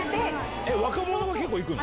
若者が結構行くの？